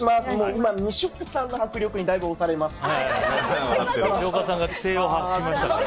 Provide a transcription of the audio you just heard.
今、にしおかさんの迫力にだいぶ押されました。